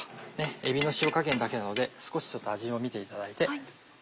えびの塩加減だけなので少し味を見ていただいて。